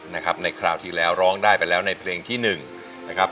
นะครับในคราวที่แล้วร้องได้ไปแล้วในเพลงที่หนึ่งนะครับ